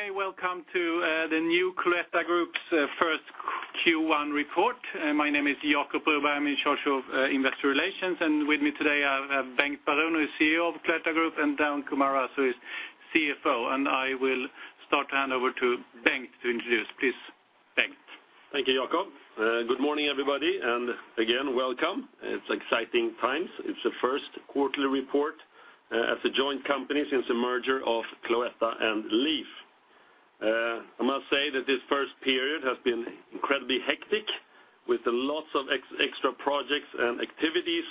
Okay, welcome to the new Cloetta Group's first Q1 report. My name is Jacob Broberg. I'm in charge of investor relations. And with me today I have Bengt Baron, CEO of Cloetta Group, and Danko Maras, who is CFO. And I will start to hand over to Bengt to introduce. Please, Bengt. Thank you, Jacob. Good morning, everybody, and again, welcome. It's exciting times. It's the first quarterly report, as a joint company since the merger of Cloetta and LEAF. I must say that this first period has been incredibly hectic, with lots of extra projects and activities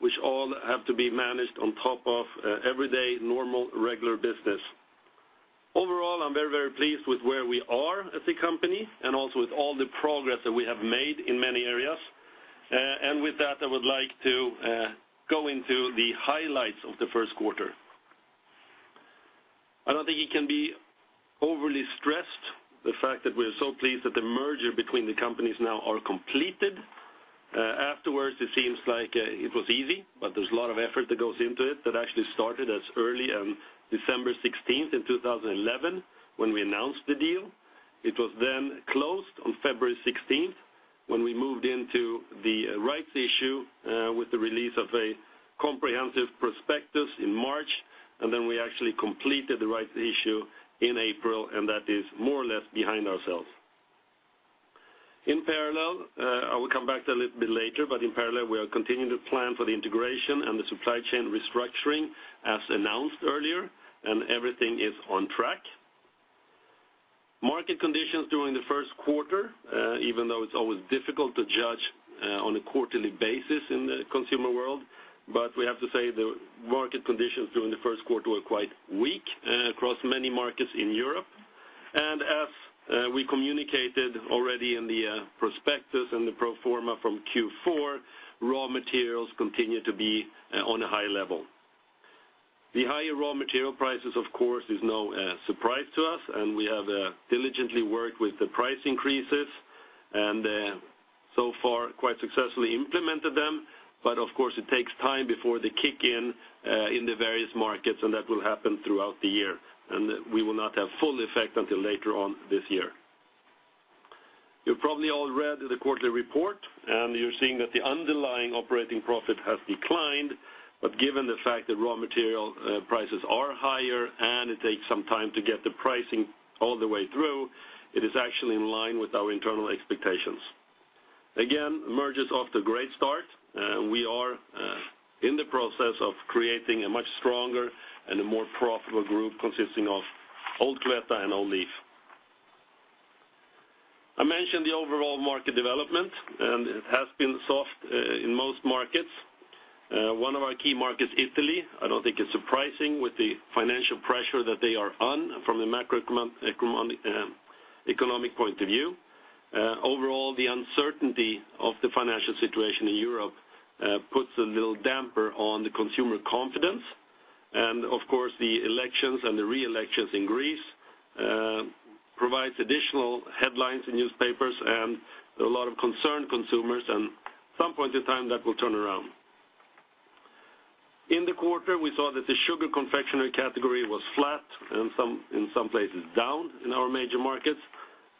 which all have to be managed on top of everyday normal, regular business. Overall, I'm very, very pleased with where we are as a company and also with all the progress that we have made in many areas. And with that, I would like to go into the highlights of the first quarter. I don't think it can be overly stressed, the fact that we're so pleased that the merger between the companies now are completed. Afterwards, it seems like it was easy, but there's a lot of effort that goes into it that actually started as early as December 16th in 2011 when we announced the deal. It was then closed on February 16th when we moved into the rights issue, with the release of a comprehensive prospectus in March, and then we actually completed the rights issue in April, and that is more or less behind ourselves. In parallel, I will come back to that a little bit later, but in parallel, we are continuing to plan for the integration and the supply chain restructuring, as announced earlier, and everything is on track. Market conditions during the first quarter, even though it's always difficult to judge on a quarterly basis in the consumer world, but we have to say the market conditions during the first quarter were quite weak, across many markets in Europe. As we communicated already in the prospectus and the pro forma from Q4, raw materials continue to be on a high level. The higher raw material prices, of course, is no surprise to us, and we have diligently worked with the price increases and, so far, quite successfully implemented them. But of course, it takes time before they kick in in the various markets, and that will happen throughout the year, and we will not have full effect until later on this year. You've probably all read the quarterly report, and you're seeing that the underlying operating profit has declined. But given the fact that raw material prices are higher and it takes some time to get the pricing all the way through, it is actually in line with our internal expectations. Again, mergers often are a great start, and we are, in the process of creating a much stronger and a more profitable group consisting of old Cloetta and old LEAF. I mentioned the overall market development, and it has been soft, in most markets. One of our key markets is Italy. I don't think it's surprising with the financial pressure that they are on from a macroeconomic, economic point of view. Overall, the uncertainty of the financial situation in Europe, puts a little damper on the consumer confidence. And of course, the elections and the re-elections in Greece, provide additional headlines in newspapers, and there are a lot of concerned consumers, and at some point in time, that will turn around. In the quarter, we saw that the sugar confectionery category was flat and some in some places down in our major markets.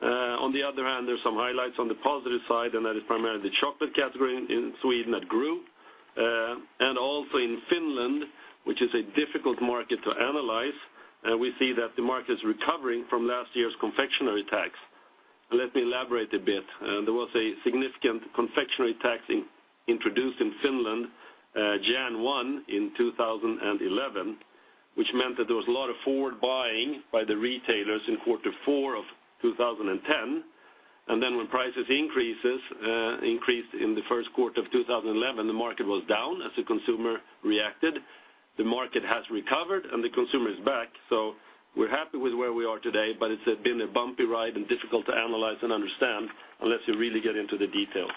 On the other hand, there's some highlights on the positive side, and that is primarily the chocolate category in, in Sweden that grew. And also in Finland, which is a difficult market to analyze, we see that the market's recovering from last year's confectionery tax. And let me elaborate a bit. There was a significant confectionery tax introduced in Finland, January 1, 2011, which meant that there was a lot of forward buying by the retailers in quarter 4 of 2010. And then when prices increased in the first quarter of 2011, the market was down as the consumer reacted. The market has recovered, and the consumer is back. So we're happy with where we are today, but it's been a bumpy ride and difficult to analyze and understand unless you really get into the details.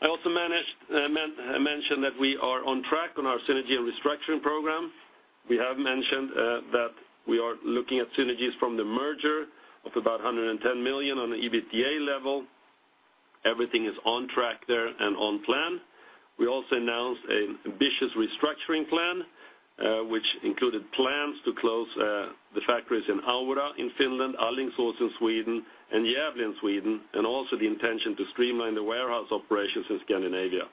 I also mentioned that we are on track on our synergy and restructuring program. We have mentioned that we are looking at synergies from the merger of about 110 million on the EBITDA level. Everything is on track there and on plan. We also announced an ambitious restructuring plan, which included plans to close the factories in Aura in Finland, Alingsås in Sweden, and Gävle in Sweden, and also the intention to streamline the warehouse operations in Scandinavia.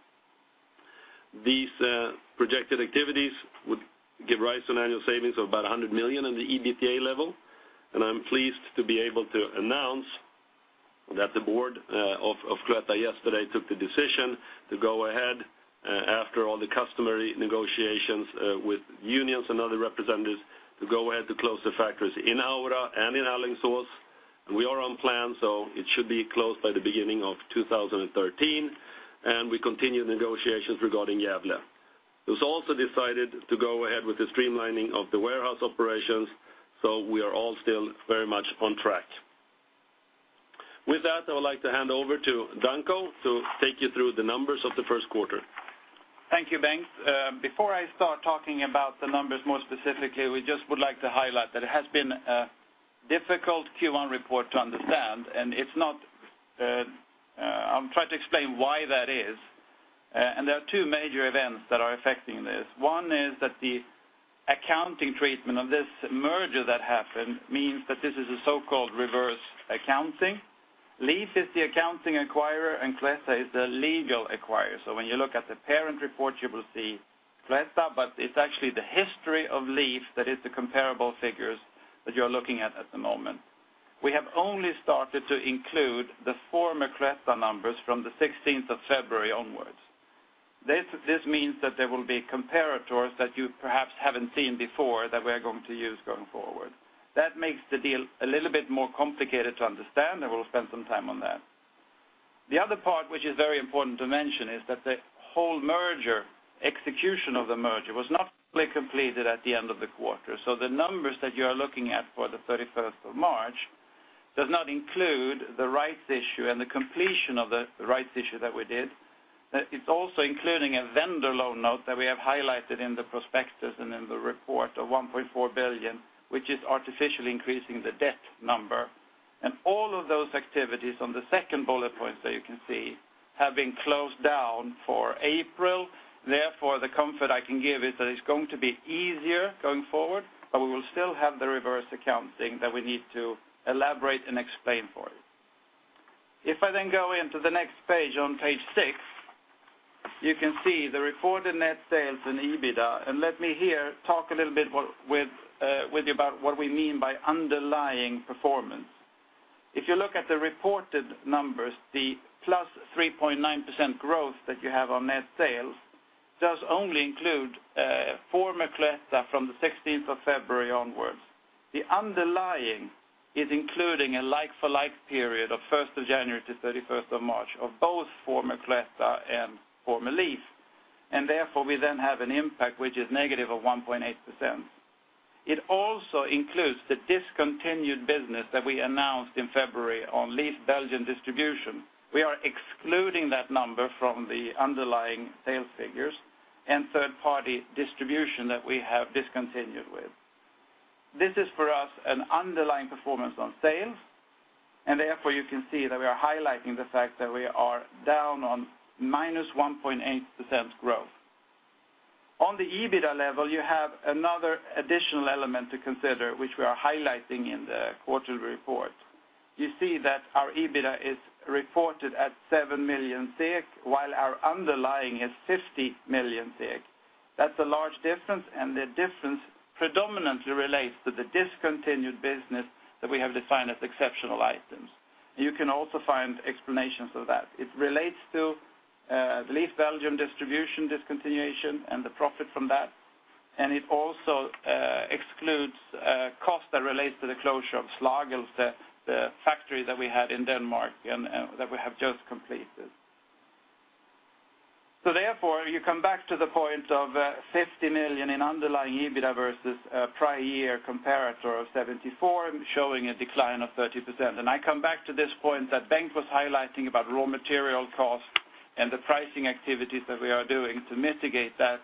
These projected activities would give rise to annual savings of about 100 million on the EBITDA level. I'm pleased to be able to announce that the board of Cloetta yesterday took the decision to go ahead, after all the customary negotiations with unions and other representatives, to close the factories in Aura and in Alingsås. We are on plan, so it should be closed by the beginning of 2013, and we continue negotiations regarding Gävle. It was also decided to go ahead with the streamlining of the warehouse operations, so we are all still very much on track. With that, I would like to hand over to Danko to take you through the numbers of the first quarter. Thank you, Bengt. Before I start talking about the numbers more specifically, we just would like to highlight that it has been a difficult Q1 report to understand, and it's not. I'll try to explain why that is. There are two major events that are affecting this. One is that the accounting treatment of this merger that happened means that this is a so-called reverse accounting. LEAF is the accounting acquirer, and Cloetta is the legal acquirer. So when you look at the parent report, you will see Cloetta, but it's actually the history of LEAF that is the comparable figures that you are looking at at the moment. We have only started to include the former Cloetta numbers from the 16th of February onwards. This means that there will be comparators that you perhaps haven't seen before that we are going to use going forward. That makes the deal a little bit more complicated to understand, and we'll spend some time on that. The other part, which is very important to mention, is that the whole merger execution of the merger was not fully completed at the end of the quarter. So the numbers that you are looking at for the 31st of March does not include the rights issue and the completion of the rights issue that we did. It's also including a vendor loan note that we have highlighted in the prospectus and in the report of 1.4 billion, which is artificially increasing the debt number. And all of those activities on the second bullet points that you can see have been closed down for April. Therefore, the comfort I can give is that it's going to be easier going forward, but we will still have the reverse accounting that we need to elaborate and explain for you. If I then go into the next page, on page 6, you can see the reported net sales and EBITDA. Let me here talk a little bit with you about what we mean by underlying performance. If you look at the reported numbers, the +3.9% growth that you have on net sales does only include former Cloetta from the 16th of February onwards. The underlying is including a like-for-like period of 1st of January to 31st of March of both former Cloetta and former LEAF, and therefore we then have an impact which is negative of -1.8%. It also includes the discontinued business that we announced in February on LEAF Belgium distribution. We are excluding that number from the underlying sales figures and third-party distribution that we have discontinued with. This is for us an underlying performance on sales, and therefore you can see that we are highlighting the fact that we are down on -1.8% growth. On the EBITDA level, you have another additional element to consider which we are highlighting in the quarterly report. You see that our EBITDA is reported at 7 million while our underlying is 50 million. That's a large difference, and the difference predominantly relates to the discontinued business that we have defined as exceptional items. You can also find explanations of that. It relates to the LEAF Belgium distribution discontinuation and the profit from that. And it also excludes costs that relate to the closure of Slagelse, the factory that we had in Denmark and that we have just completed. So therefore, you come back to the point of 50 million in underlying EBITDA versus prior year comparator of 74 showing a decline of 30%. And I come back to this point that Bengt was highlighting about raw material costs and the pricing activities that we are doing to mitigate that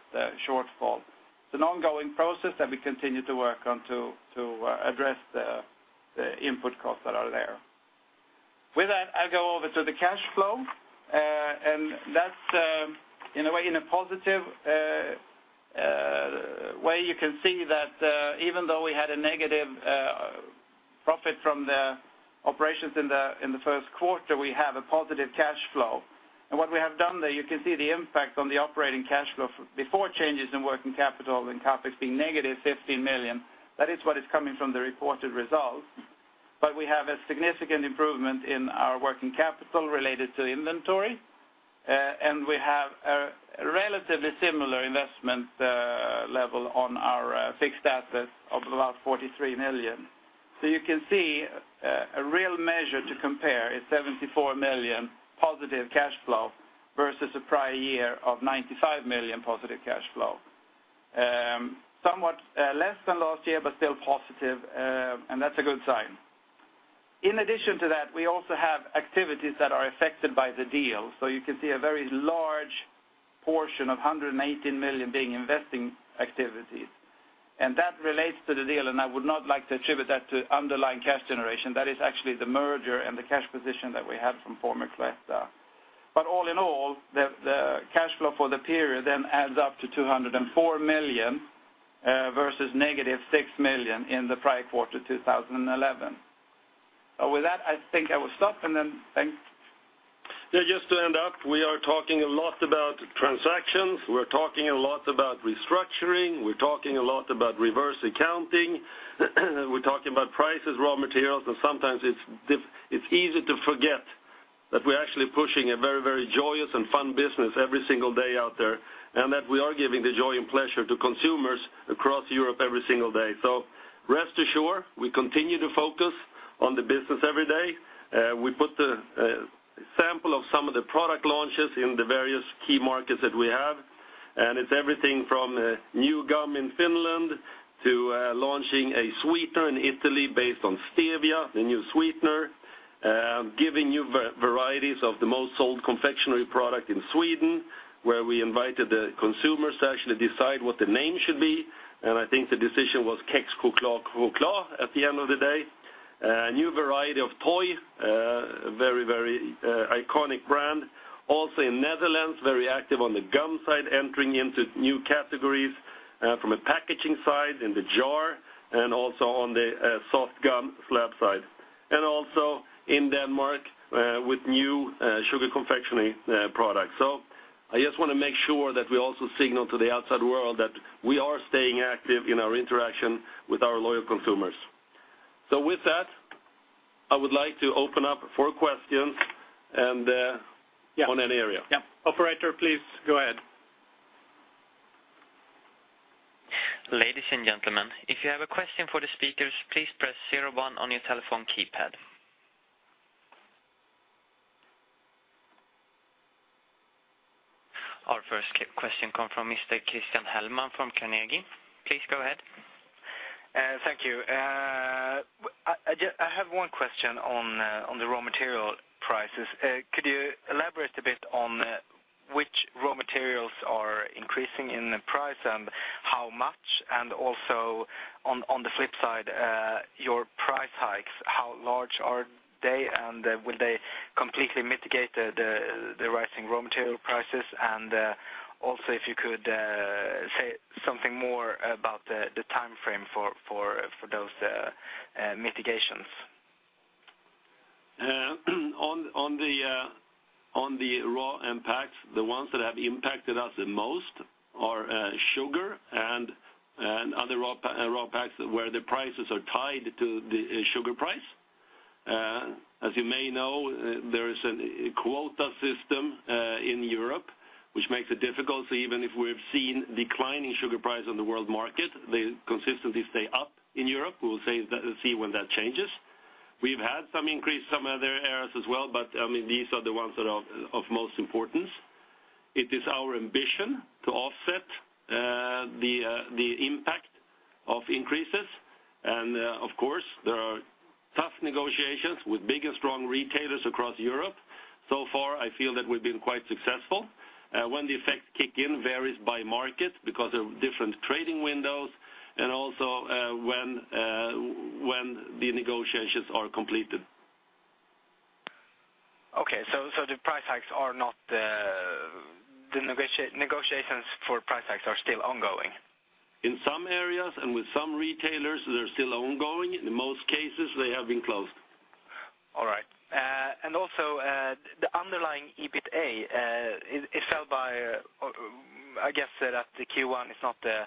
shortfall. It's an ongoing process that we continue to work on to address the input costs that are there. With that, I'll go over to the cash flow, and that's, in a way, a positive way. You can see that even though we had a negative profit from the operations in the first quarter, we have a positive cash flow. And what we have done there, you can see the impact on the operating cash flow before changes in working capital and CAPEX being negative 15 million. That is what is coming from the reported results. But we have a significant improvement in our working capital related to inventory, and we have a relatively similar investment level on our fixed assets of about 43 million. So you can see a real measure to compare is 74 million positive cash flow versus a prior year of 95 million positive cash flow, somewhat less than last year but still positive, and that's a good sign. In addition to that, we also have activities that are affected by the deal. So you can see a very large portion of 118 million being investing activities. And that relates to the deal, and I would not like to attribute that to underlying cash generation. That is actually the merger and the cash position that we had from former Cloetta. But all in all, the cash flow for the period then adds up to 204 million, versus negative 6 million in the prior quarter, 2011. So with that, I think I will stop, and then, Bengt. Yeah, just to end up, we are talking a lot about transactions. We're talking a lot about restructuring. We're talking a lot about reverse accounting. We're talking about prices, raw materials, and sometimes it's difficult, it's easy to forget that we're actually pushing a very, very joyous and fun business every single day out there and that we are giving the joy and pleasure to consumers across Europe every single day. So rest assured, we continue to focus on the business every day. We put the sample of some of the product launches in the various key markets that we have, and it's everything from new gum in Finland to launching a sweetener in Italy based on stevia, the new sweetener, giving new varieties of the most sold confectionery product in Sweden where we invited the consumers to actually decide what the name should be. I think the decision was Kexchoklad at the end of the day. New variety of Toy, very, very iconic brand. Also in Netherlands, very active on the gum side, entering into new categories, from a packaging side in the jar and also on the soft gum slab side. Also in Denmark, with new sugar confectionery products. I just want to make sure that we also signal to the outside world that we are staying active in our interaction with our loyal consumers. With that, I would like to open up for questions and- Yeah. On that area. Yep. Operator, please go ahead. Ladies and gentlemen, if you have a question for the speakers, please press zero-one on your telephone keypad. Our first question comes from Mr. Christian Hellman from Carnegie. Please go ahead. Thank you. I have one question on the raw material prices. Could you elaborate a bit on which raw materials are increasing in price and how much? And also on the flip side, your price hikes, how large are they and will they completely mitigate the rising raw material prices? And also if you could say something more about the time frame for those mitigations. On the raw impacts, the ones that have impacted us the most are sugar and other raw packaging where the prices are tied to the sugar price. As you may know, there is a quota system in Europe which makes it difficult. So even if we've seen declining sugar price on the world market, they consistently stay up in Europe. We'll see when that changes. We've had some increases in some other areas as well, but I mean, these are the ones that are of most importance. It is our ambition to offset the impact of increases. And, of course, there are tough negotiations with big and strong retailers across Europe. So far, I feel that we've been quite successful. When the effects kick in varies by market because of different trading windows and also, when the negotiations are completed. Okay. So the price hikes are not, the negotiations for price hikes are still ongoing? In some areas and with some retailers, they're still ongoing. In most cases, they have been closed. All right. Also, the underlying EBITDA, it fell by—I guess that Q1 is not the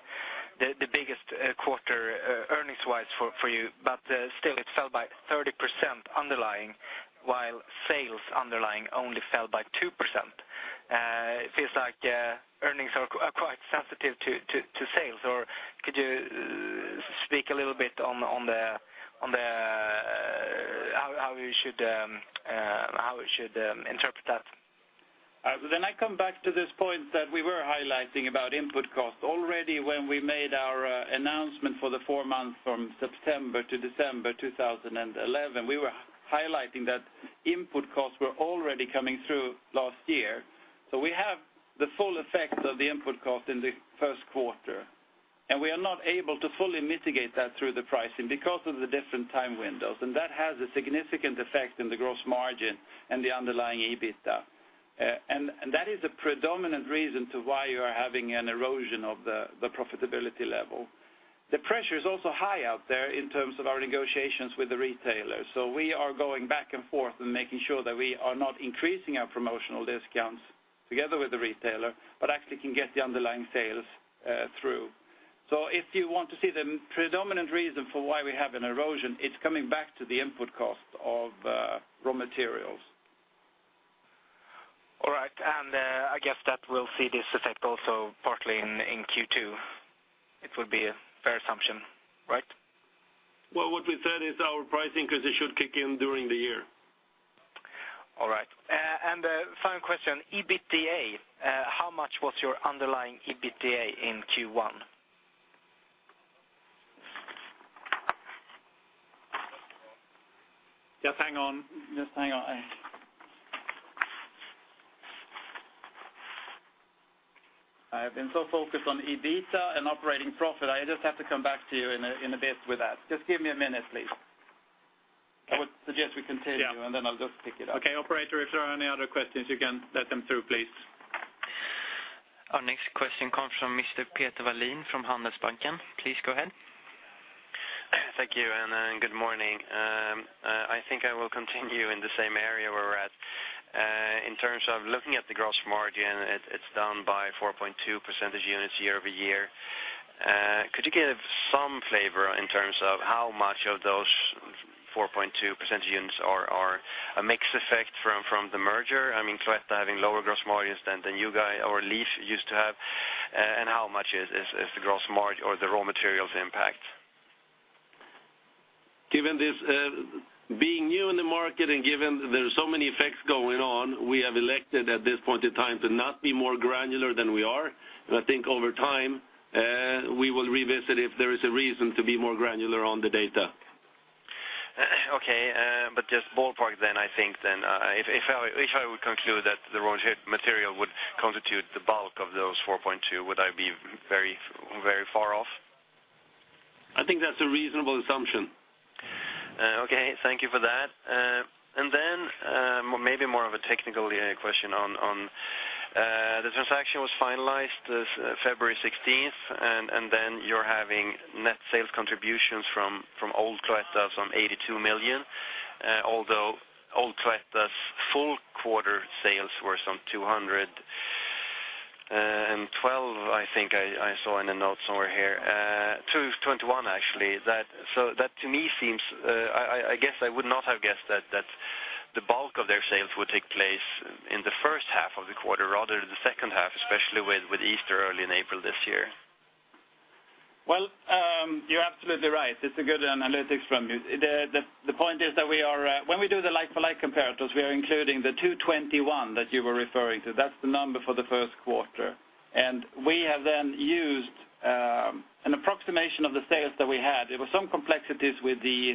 biggest quarter earnings-wise for you, but still, it fell by 30% underlying while sales underlying only fell by 2%. It feels like earnings are quite sensitive to sales. Or could you speak a little bit on how you should interpret that? Well, then I come back to this point that we were highlighting about input cost. Already when we made our announcement for the four months from September to December 2011, we were highlighting that input costs were already coming through last year. So we have the full effect of the input cost in the first quarter, and we are not able to fully mitigate that through the pricing because of the different time windows. And that has a significant effect in the gross margin and the underlying EBITDA. And that is a predominant reason to why you are having an erosion of the profitability level. The pressure is also high out there in terms of our negotiations with the retailer. So we are going back and forth and making sure that we are not increasing our promotional discounts together with the retailer but actually can get the underlying sales through. So if you want to see the predominant reason for why we have an erosion, it's coming back to the input cost of raw materials. All right. And I guess that we'll see this effect also partly in Q2. It would be a fair assumption, right? Well, what we said is our pricing because it should kick in during the year. All right. And the final question, EBITDA, how much was your underlying EBITDA in Q1? Just hang on. Just hang on. I have been so focused on EBITDA and operating profit, I just have to come back to you in a bit with that. Just give me a minute, please. I would suggest we continue, and then I'll just pick it up. Okay. Operator, if there are any other questions, you can let them through, please. Our next question comes from Mr. Peter Wallin from Handelsbanken. Please go ahead. Thank you, and good morning. I think I will continue in the same area where we're at. In terms of looking at the gross margin, it's down by 4.2 percentage units year-over-year. Could you give some flavor in terms of how much of those 4.2 percentage units are a mixed effect from the merger? I mean, Cloetta having lower gross margins than you guys or LEAF used to have. And how much is the gross mar or the raw materials impact? Given this, being new in the market and given there's so many effects going on, we have elected at this point in time to not be more granular than we are. I think over time, we will revisit if there is a reason to be more granular on the data. Okay. But just ballpark then, I think then. If I would conclude that the raw material would constitute the bulk of those 4.2, would I be very, very far off? I think that's a reasonable assumption. Okay. Thank you for that. And then, maybe more of a technical question on the transaction was finalized, February 16th, and then you're having net sales contributions from old Cloetta some 82 million, although old Cloetta's full quarter sales were some 212 million, I think I saw in the notes somewhere here. 221, actually. That, so that to me seems, I guess I would not have guessed that the bulk of their sales would take place in the first half of the quarter rather than the second half, especially with Easter early in April this year. Well, you're absolutely right. It's a good analysis from you. The point is that we are, when we do the like-for-like comparators, including the 221 million that you were referring to. That's the number for the first quarter. And we have then used an approximation of the sales that we had. There were some complexities with the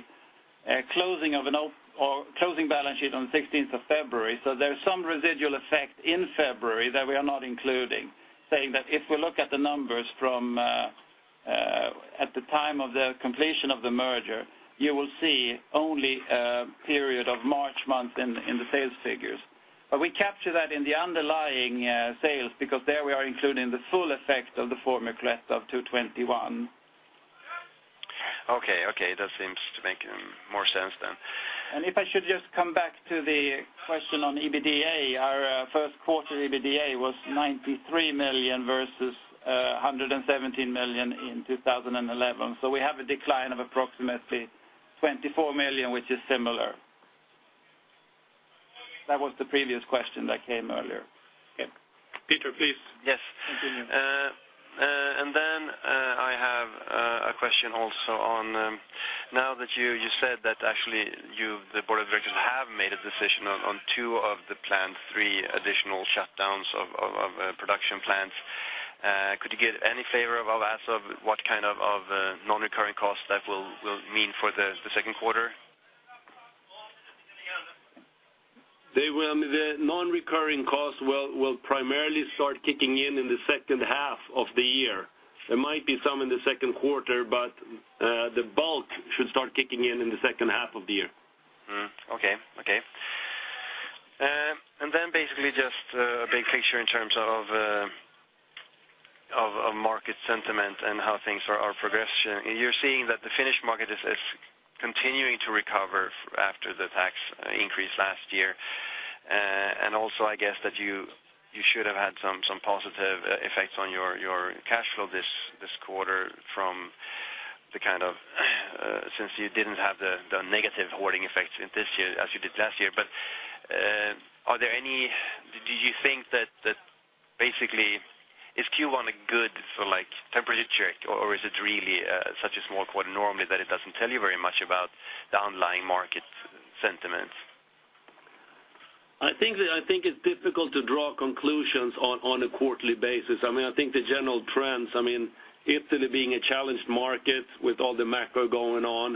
closing of an op or closing balance sheet on the 16th of February. So there's some residual effect in February that we are not including, saying that if we look at the numbers from at the time of the completion of the merger, you will see only a period of March month in the sales figures. But we capture that in the underlying sales because there we are including the full effect of the former Cloetta of 221 million. Okay. Okay. That seems to make more sense than. If I should just come back to the question on EBITDA, our first quarter EBITDA was 93 million versus 117 million in 2011. So we have a decline of approximately 24 million, which is similar. That was the previous question that came earlier. Okay. Peter, please. Yes. Continue. Then, I have a question also on, now that you said that actually you, the board of directors, have made a decision on two of the planned three additional shutdowns of production plants. Could you give any flavor of as of what kind of non-recurring costs that will mean for the second quarter? I mean, the non-recurring costs will primarily start kicking in in the second half of the year. There might be some in the second quarter, but the bulk should start kicking in in the second half of the year. Okay. Okay. And then basically just a big picture in terms of market sentiment and how things are progressing. You're seeing that the Finnish market is continuing to recover after the tax increase last year. And also I guess that you should have had some positive effects on your cash flow this quarter from the kind of, since you didn't have the negative hoarding effects this year as you did last year. But, do you think that basically, is Q1 a good for, like, temperature check, or is it really such a small quarter normally that it doesn't tell you very much about the underlying market sentiment? I think that I think it's difficult to draw conclusions on, on a quarterly basis. I mean, I think the general trends, I mean, Italy being a challenged market with all the macro going on.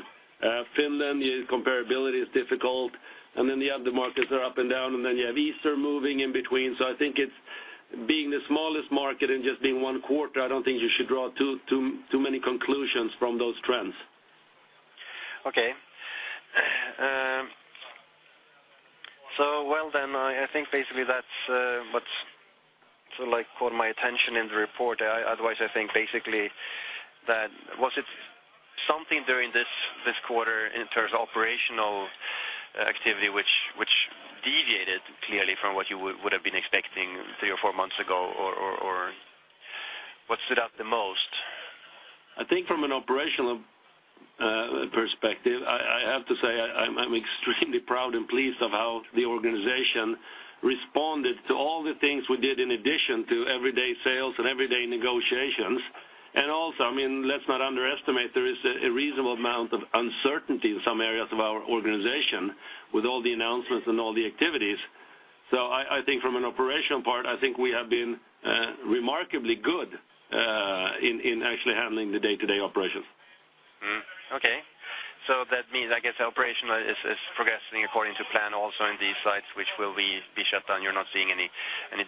Finland, your comparability is difficult. And then the other markets are up and down, and then you have Easter moving in between. So I think it's being the smallest market and just being one quarter, I don't think you should draw too, too, too many conclusions from those trends. Okay, well then, I think basically that's what's so like caught my attention in the report. Otherwise, I think basically that was it, something during this quarter in terms of operational activity which deviated clearly from what you would have been expecting three or four months ago or what stood out the most? I think from an operational perspective, I have to say, I'm extremely proud and pleased of how the organization responded to all the things we did in addition to everyday sales and everyday negotiations. Also, I mean, let's not underestimate; there is a reasonable amount of uncertainty in some areas of our organization with all the announcements and all the activities. So I think from an operational part, I think we have been remarkably good in actually handling the day-to-day operations. Okay. So that means, I guess, operational is progressing according to plan also in these sites which will be shut down. You're not seeing any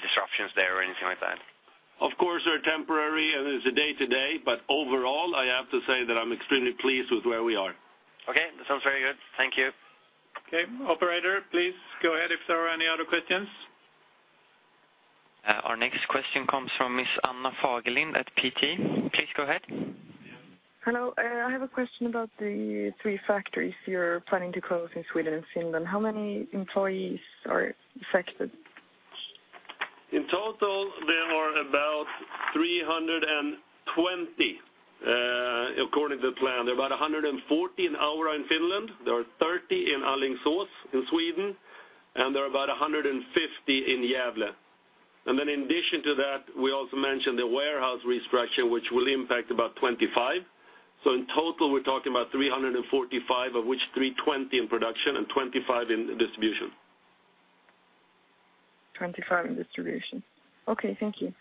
disruptions there or anything like that? Of course, they're temporary, and it's a day-to-day. But overall, I have to say that I'm extremely pleased with where we are. Okay. That sounds very good. Thank you. Okay. Operator, please go ahead if there are any other questions. Our next question comes from Ms. Anna Fagerlind at TT. Please go ahead. Hello. I have a question about the three factories you're planning to close in Sweden and Finland. How many employees are affected? In total, there are about 320, according to the plan. There are about 140 in Aura in Finland. There are 30 in Alingsås in Sweden, and there are about 150 in Gävle. And then in addition to that, we also mentioned the warehouse restructuring which will impact about 25. So in total, we're talking about 345 of which 320 in production and 25 in distribution. 25 in distribution. Okay. Thank you.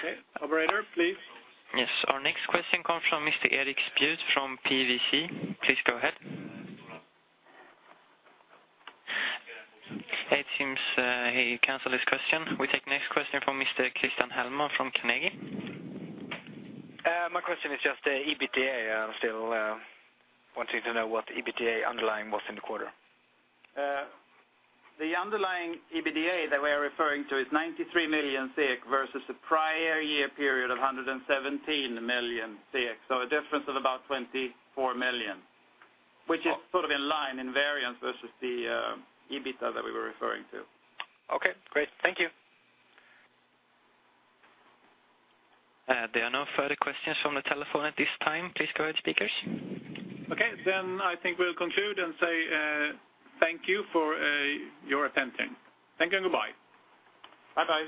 Okay. Operator, please. Yes. Our next question comes from Mr. Erik Spjut from PVC. Please go ahead. It seems he canceled his question. We take next question from Mr. Christian Hellman from Carnegie. My question is just EBITDA. I'm still wanting to know what EBITDA underlying was in the quarter. The underlying EBITDA that we are referring to is 93 million versus a prior year period of 117 million. So a difference of about 24 million, which is sort of in line, in variance versus the EBITDA that we were referring to. Okay. Great. Thank you. There are no further questions from the telephone at this time. Please go ahead, speakers. Okay. Then I think we'll conclude and say, thank you for your attention. Thank you and goodbye. Bye-bye.